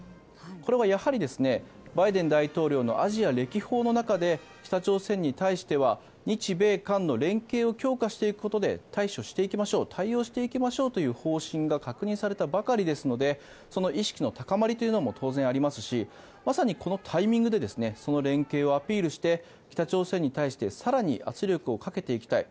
これはやはり、バイデン大統領のアジア歴訪の中で北朝鮮に対しては日米韓の連携を強化していくことで対処していきましょう対応していきましょうという方針が確認されたばかりですのでその意識の高まりというのもありますしまさにこのタイミングでその連携をアピールして北朝鮮に対して更に圧力をかけていきたい